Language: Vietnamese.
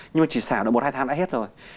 nhưng mà chỉ xả được một hai tháng đã hết rồi